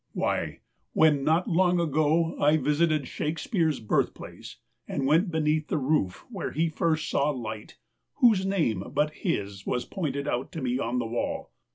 Why, when, not long ago, I vis ited Shakespeare's birthplace, and went beneath the roof where he first saw light, whose name but his was pointed out to me on the wall